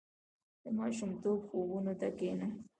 • د ماشومتوب خوبونو ته کښېنه.